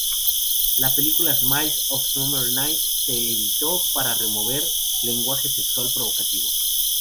La película "Smiles of a Summer Night" se editó para remover "lenguaje sexual provocativo".